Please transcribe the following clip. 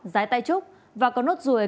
dái tay trúc và có nốt ruồi